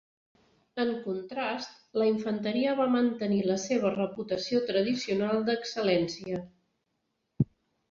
En contrast, la infanteria va mantenir la seva reputació tradicional d'excel·lència.